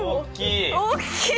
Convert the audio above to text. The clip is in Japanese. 大きい。